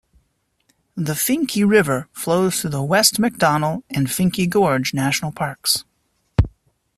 The Finke River flows through the West MacDonnell and Finke Gorge National Parks.